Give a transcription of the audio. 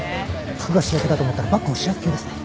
服が主役だと思ったらバッグも主役級ですね。